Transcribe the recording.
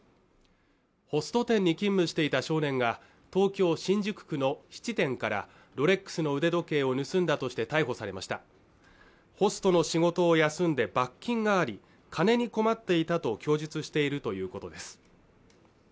ホスト店に勤務していた少年が東京新宿区の質店からロレックスの腕時計を盗んだとして逮捕されましたホストの仕事を休んで罰金があり金に困っていたと供述しているということです